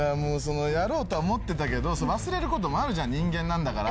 やろうとは思ってたけど忘れることもある人間だから。